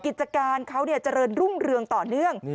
กิจการเขาเจริญรุ่งเรืองต่อเนื่อง